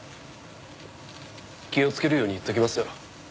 気をつけるように言っときますよ。